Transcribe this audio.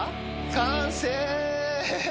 完成！